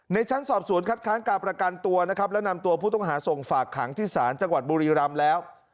ชั้นสอบสวนคัดค้างการประกันตัวนะครับและนำตัวผู้ต้องหาส่งฝากขังที่ศาลจังหวัดบุรีรำแล้ว